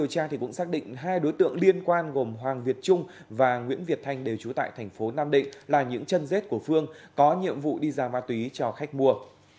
hai đối tượng liên quan gồm hoàng việt trung và nguyễn việt thanh đều trú tại thành phố nam định là những chân rết của phương có nhiệm vụ đi ra ma túy cho khách mua